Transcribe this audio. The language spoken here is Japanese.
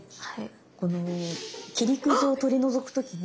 この切りくずを取り除く時に。